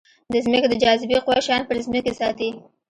د ځمکې د جاذبې قوه شیان پر ځمکې ساتي.